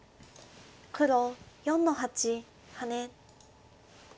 黒４の八ハネ。